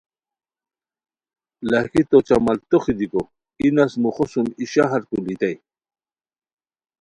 لاکھی تو چملتوخ دیکو ای نس موخو سوم ای شہر پولوئیتائے